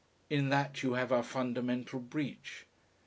In that you have our fundamental breach.